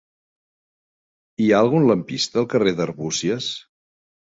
Hi ha algun lampista al carrer d'Arbúcies?